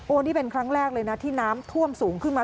นี่เป็นครั้งแรกเลยนะที่น้ำท่วมสูงขึ้นมา